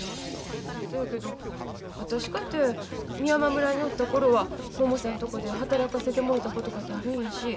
そやけど私かて美山村におった頃はももさんとこで働かせてもろたことかてあるんやし。